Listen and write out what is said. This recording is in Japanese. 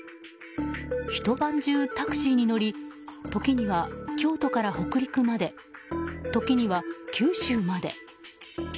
ひと晩中タクシーに乗り時には、京都から北陸まで時には、九州まで。